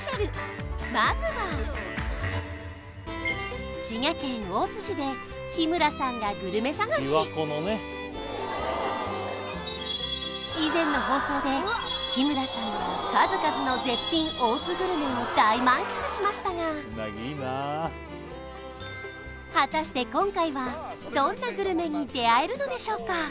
まずはで日村さんがグルメ探し以前の放送で日村さんは数々の絶品大津グルメを大満喫しましたが果たして今回はどんなグルメに出会えるのでしょうか？